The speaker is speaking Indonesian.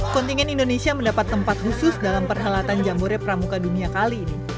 kontingen indonesia mendapat tempat khusus dalam perhelatan jambore pramuka dunia kali ini